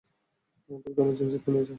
দ্রুত ইমার্জেন্সিতে নিয়ে যাও!